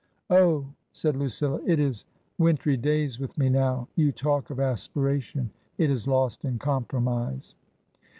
" Oh," said Lucilla, " it is wintry days with me now. You talk of aspiration. It is lost in compromise."